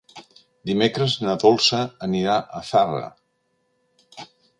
Dimecres na Dolça anirà a Zarra.